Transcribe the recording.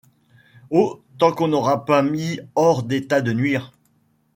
Oh ! tant qu'on n'aura pas mis hors d'état de nuire